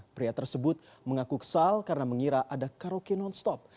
pria tersebut mengaku kesal karena mengira ada karaoke non stop